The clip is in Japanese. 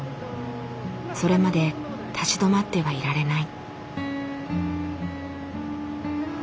それまで立ち止まってはいられない。